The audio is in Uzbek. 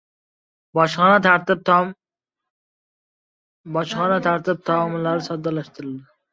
Bojxona tartib- taomillari soddalashtiriladi